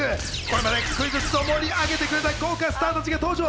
これまでクイズッスを盛り上げてくれた豪華スターたちが登場。